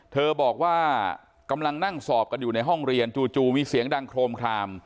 เธอบอกว่ากำลังนั่งสอบกันอยู่ในห้องเรียนจู่มีเสียงดังโครมคลาม